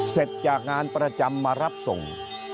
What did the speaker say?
เสร็จจากงานประจำมารับส่ง